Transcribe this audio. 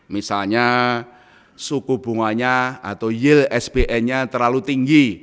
misalnya suku bunganya atau yield sbn nya terlalu tinggi